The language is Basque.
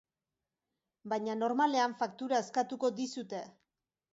Baina normalean faktura eskatuko dizute.